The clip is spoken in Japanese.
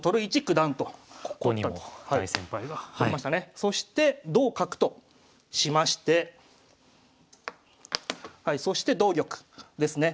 そして同角としましてそして同玉ですね。